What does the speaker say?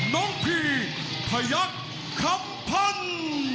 น้องพีพยักษ์คำพันธ์